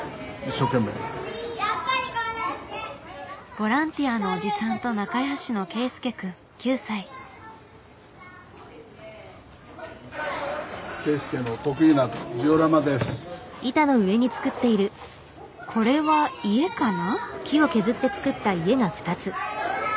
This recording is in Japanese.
ボランティアのおじさんと仲良しのこれは家かな？